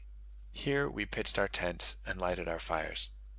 Here we pitched our tents and lighted our fires.